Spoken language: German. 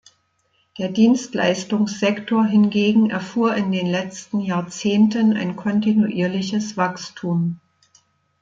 Der Dienstleistungssektor hingegen erfuhr in den letzten Jahrzehnten ein kontinuierliches Wachstum.